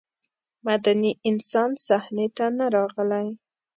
مدني انسان صحنې ته نه راغلی.